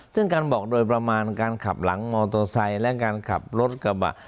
ซึ่งการบอกโดยประมาณการขับหลังมอเตอร์ไซค์และการขับรถกระบะ